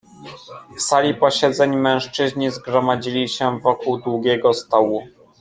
"W sali posiedzeń mężczyźni zgromadzili się wokół długiego stołu."